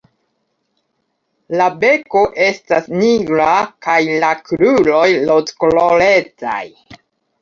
La beko estas nigra kaj la kruroj rozkolorecaj.